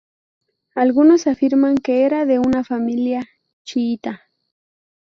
Algunos afirman que era de una familia chiíta.